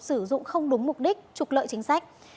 sử dụng không đúng mục đích trục lợi chính sách